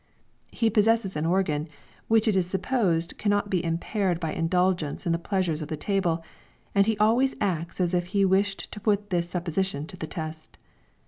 He possesses an organ, which it is supposed cannot be impaired by indulgence in the pleasures of the table, and he always acts as if he wished to put this supposition to the test.